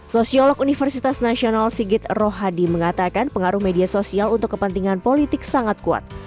sosiolog universitas nasional sigit rohadi mengatakan pengaruh media sosial untuk kepentingan politik sangat kuat